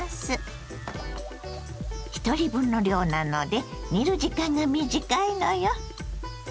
ひとり分の量なので煮る時間が短いのよ。